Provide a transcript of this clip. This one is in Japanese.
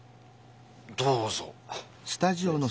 どうぞ。